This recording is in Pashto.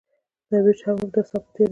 درویش هم همدا ثبات یادوي.